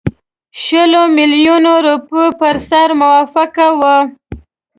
شلو میلیونو روپیو پر سر موافقه وه.